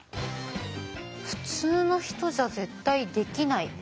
普通の人じゃ絶対できない。